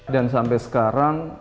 dan sampai sekarang